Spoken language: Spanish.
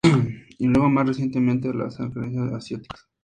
Y luego, más recientemente a las Anacardiaceae asiáticas.